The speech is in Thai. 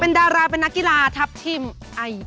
เป็นดาราเป็นนักกีฬาทัพทิมอัญยาริน